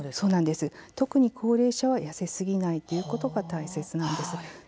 特に高齢者は痩せすぎないということが大切なんですね。